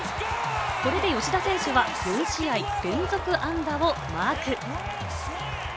これで吉田選手は４試合連続安打をマーク。